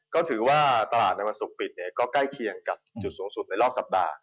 ก็ถือว่าตลาดในวันศุกร์ปิดเนี่ยก็ใกล้เคียงกับจุดสูงสุดในรอบสัปดาห์